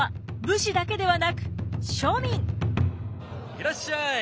いらっしゃい！